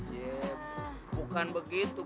ibu bukan begitu